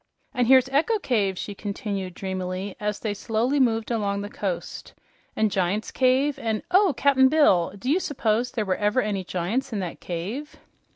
"And here's Echo Cave," she continued, dreamily, as they slowly moved along the coast, "and Giant's Cave, and oh, Cap'n Bill! Do you s'pose there were ever any giants in that cave?"